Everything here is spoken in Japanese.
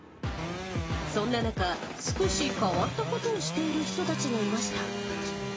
そんな中、少し変わったことをしている人たちがいました。